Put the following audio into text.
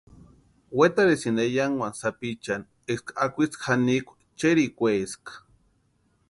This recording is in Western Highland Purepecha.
Wetarhisïnti ayankwani sapichani éska akwitsi janikwa cherhikwaeska.